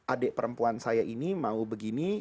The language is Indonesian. adik perempuan saya ini mau begini